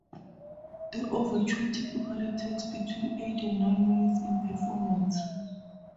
The overture typically takes between eight and nine minutes in performance.